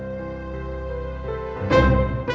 aduh ini sudah lama